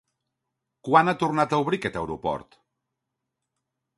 Quan ha tornat a obrir aquest aeroport?